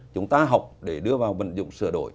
chúng ta học để đưa vào vận dụng sửa đổi